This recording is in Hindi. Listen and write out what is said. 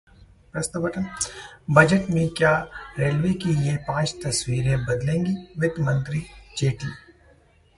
बजट में क्या रेलवे की ये पांच तस्वीरें बदलेंगे वित्त मंत्री जेटली?